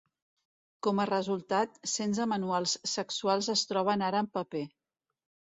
Com a resultat, cents de manuals sexuals es troben ara en paper.